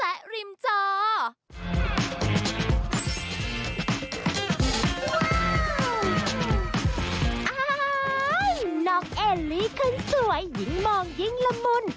น้องเอลลี่คนสวยยิ่งมองยิ่งละมุน